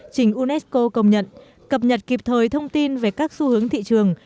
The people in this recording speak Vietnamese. trình unesco công nhận cập nhật kịp thời thông tin về các xu hướng thị trường